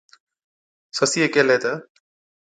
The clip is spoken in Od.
سسِيئَي ڪيهلَي تہ،